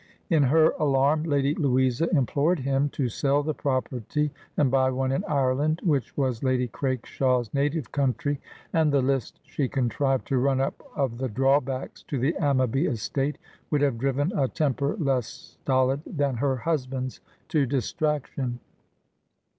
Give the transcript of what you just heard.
In her alarm, Lady Louisa implored him to sell the property and buy one in Ireland, which was Lady Craikshaw's native country; and the list she contrived to run up of the drawbacks to the Ammaby estate would have driven a temper less stolid than her husband's to distraction.